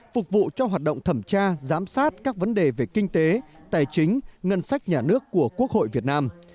phục vụ cho hoạt động thẩm tra giám sát các vấn đề về kinh tế tài chính ngân sách nhà nước của quốc hội việt nam